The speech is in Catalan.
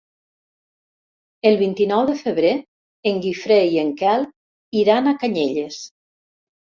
El vint-i-nou de febrer en Guifré i en Quel iran a Canyelles.